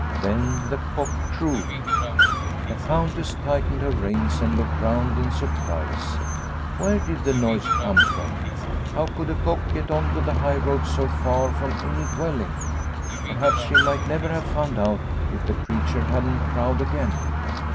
Then the cock crew. The Countess tightened her reins and looked round in sur prise. Where did the noise come from ? How could a cock get on to the high road so far from any dwelling ? Perhaps she might never have found out if the creature hadn't crowed again.